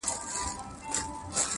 تیاره وریځ ده، باد دی باران دی،